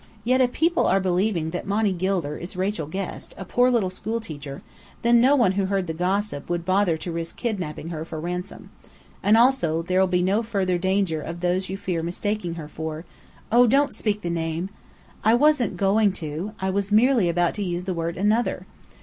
Yet if people are believing that Monny Gilder is Rachel Guest, a poor little school teacher, then no one who heard the gossip would bother to risk kidnapping her for ransom. And, also, there'll be no further danger of those you fear mistaking her for " "Oh, don't speak the name!" "I wasn't going to. I was merely about to use the word 'another.'"